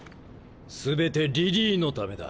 全てリリーのためだ。